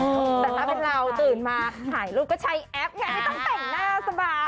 แต่ถ้าเป็นเราตื่นมาถ่ายรูปก็ใช้แอปไงไม่ต้องแต่งหน้าสบาย